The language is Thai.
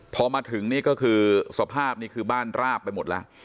พอมาถึงนี่ก็คือสภาพนี่คือบ้านราบไปหมดแล้ว